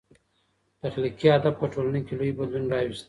تخلیقي ادب په ټولنه کي لوی بدلون راوست.